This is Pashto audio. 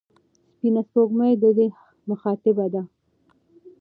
سپینه سپوږمۍ د ده مخاطبه ده.